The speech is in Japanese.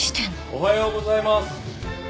おはようございます。